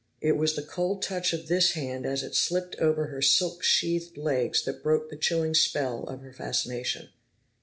It was the cold touch of this hand as it slipped over her silk sheathed legs that broke the chilling spell of her fascination.